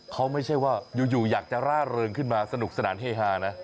เขาไม่ใช่ว่าอยู่อยากจะร่าเริงขึ้นมาสนุกสนานเฮฮานะ